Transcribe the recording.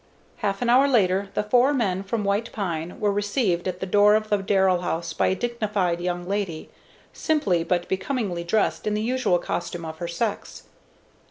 Half an hour later the four men from White Pine were received at the door of the Darrell house by a dignified young lady, simply but becomingly dressed in the usual costume of her sex.